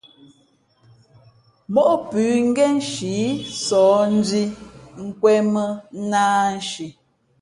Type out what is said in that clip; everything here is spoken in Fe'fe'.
Móʼ pʉ̌ ngén nshǐ sǒh ndhī nkwēn mᾱ nāānshi.